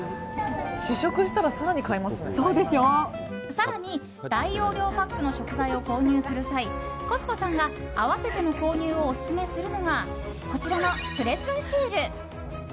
更に大容量パックの食材を購入する際コス子さんが併せての購入をオススメするのがこちらのプレスンシール。